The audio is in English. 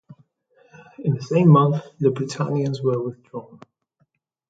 In the same month, the Britannias were withdrawn.